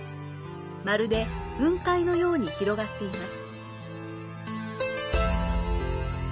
まるで雲海のように広がっています。